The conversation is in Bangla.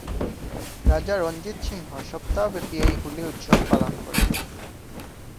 রাজা রঞ্জিত সিংহ সপ্তাহ ব্যাপী এই হোলি উৎসব পালন করতেন।